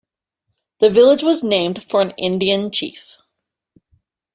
The village was named for an Indian chief.